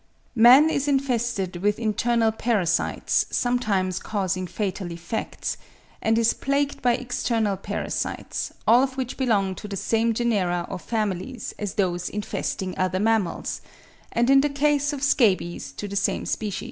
Man is infested with internal parasites, sometimes causing fatal effects; and is plagued by external parasites, all of which belong to the same genera or families as those infesting other mammals, and in the case of scabies to the same species.